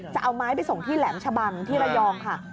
จะเอาไม้ไปส่งที่แหลมชะบังที่ระยองค่ะ